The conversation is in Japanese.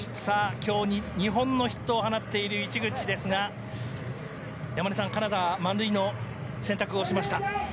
今日、２本のヒットを放っている市口ですが山根さんカナダ、満塁の選択をしました。